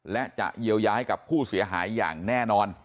และจะเยียวยาให้กับผู้เสียหายอย่างแน่นอน